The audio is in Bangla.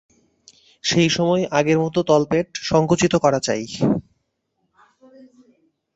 সেই সময় আগের মত তলপেট সঙ্কুচিত করা চাই।